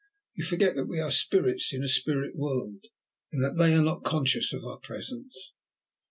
"You forget that we are Spirits in a Spirit World, and that they are not conscious of our presence."